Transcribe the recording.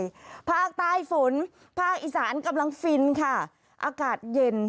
ภาคใต้ฝนภาคอีสานกำลังฟินค่ะอากาศเย็น